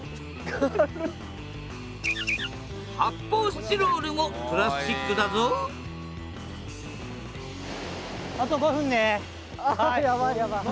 発泡スチロールもプラスチックだぞあやばい。